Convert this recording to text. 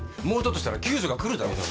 もうちょっとしたら救助が来るだろ。